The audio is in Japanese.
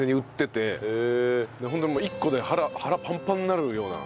１個で腹パンパンになるような。